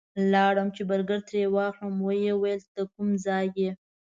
لاړم چې برګر ترې واخلم ویل یې د کوم ځای یې؟